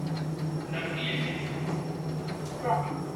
Not Guilty